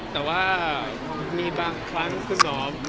แต่ว่ามีบางครั้งคุณหมอ